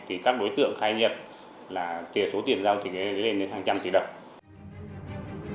thì các đối tượng khai nhiệt là tiền số tiền giao thì lên đến hàng trăm tỷ đồng